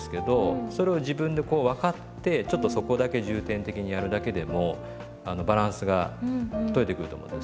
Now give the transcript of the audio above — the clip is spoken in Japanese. それを自分でこう分かってちょっとそこだけ重点的にやるだけでもバランスが取れてくると思いますよ。